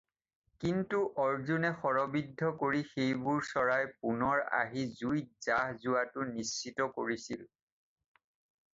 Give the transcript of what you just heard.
কিন্তু অৰ্জুনে শৰবিদ্ধ কৰি সেইবোৰ চৰাই পুনৰ আহি জুইত জাহ যোৱাটো নিশ্চিত কৰিছিল।